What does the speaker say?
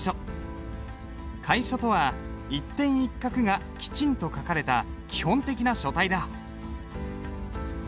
楷書とは一点一画がきちんと書かれた基本的な書体だ。